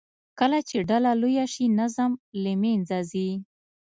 کله چې ډله لویه شي، نظم له منځه ځي.